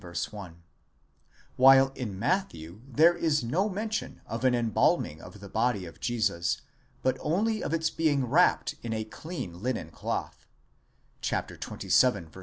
1) ; while in Matthew there is no men tion of an embalming of the body of Jesus, but only of its being wrapped in a clean linen cloth (xxvii.